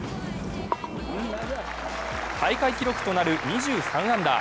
大会記録となる２３アンダー。